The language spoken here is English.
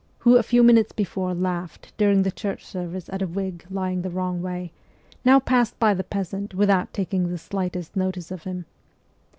who a few minutes before laughed during the church service at a wig lying the wrong way, now passed by the peasant without taking the slightest notice of him.